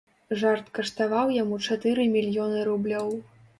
Жарт каштаваў яму чатыры мільёны рублёў.